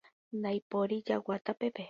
Ndaipóri jagua tapépe